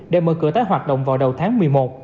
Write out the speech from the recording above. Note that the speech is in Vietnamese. để mở cửa tái hoạt động vào đầu tháng một mươi một